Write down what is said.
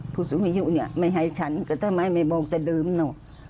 ผู้สูงอายุเนี่ยไม่ให้ฉันก็ทำไมไม่บอกแต่เดิมเนอะ